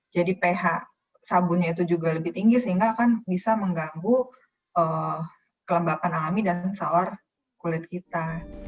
jadi ph sabunnya itu juga lebih tinggi sehingga akan bisa mengganggu kelembapan alami dan saur kulit kita